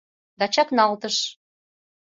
- Да чакналтыш.